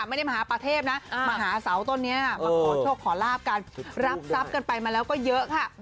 ไม่ได้มาหาปลาเทพนะมาหาเสาต้นนี้มาขอโชคขอลาบกันรับทรัพย์กันไปมาแล้วก็เยอะค่ะ